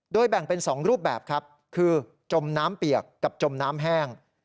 แบ่งเป็น๒รูปแบบครับคือจมน้ำเปียกกับจมน้ำแห้ง